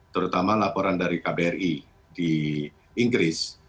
terutama laporan dari kbri di inggris